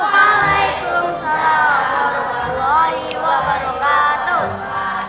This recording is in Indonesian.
waalaikumsalam warahmatullahi wabarakatuh